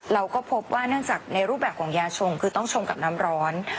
เราก็พบว่าเนื่องจากในรูปแบบของยาชงคือต้องชงกับน้ำร้อน